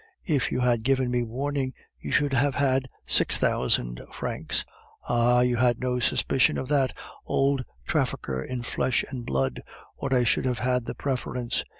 If you had given me warning, you should have had six thousand francs. Ah! you had no suspicion of that, old trafficker in flesh and blood, or I should have had the preference.